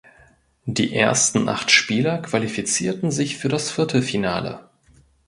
Die ersten acht Spieler qualifizierten sich für das Viertelfinale.